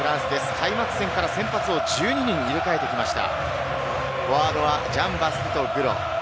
開幕戦から先発を１２人入れ替えてきました。